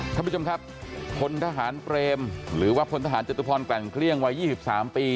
ท่านผู้ชมครับพลทหารเปรมหรือว่าพลทหารจตุพรแกร่งเกลี้ยงวัย๒๓ปี